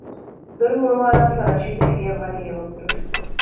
ދޮރު ހުޅުވާލާފައި ރަޝީދު އެގެޔަށް ވަނީ އެވަގުތު